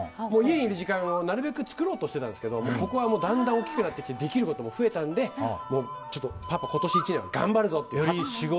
家にいる時間をなるべく作ろうとしてたんですけどここはだんだん大きくなってできることも増えたのでパパは今年１年は頑張るぞと。